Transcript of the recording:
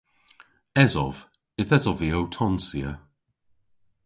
Esov. Yth esov vy ow tonsya.